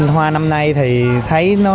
hoa năm nay thì thấy